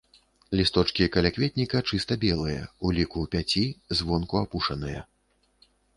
Лісточкі калякветніка чыста белыя, у ліку пяці, звонку апушаныя.